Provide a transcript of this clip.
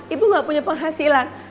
ibu gak punya penghasilan